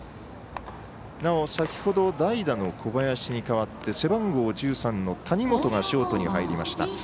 なお先ほど代打の小林に代わって背番号１３の谷本がショートに入りました。